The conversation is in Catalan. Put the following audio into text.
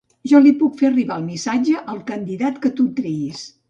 Jo li puc fer arribar el missatge al candidat que tu triïs.